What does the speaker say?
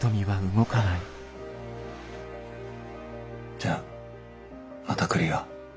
じゃあまた来るよ。